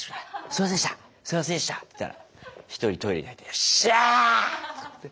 すいませんでしたすいませんでした」って言ったら１人トイレに入ってヨッシャーッ！って。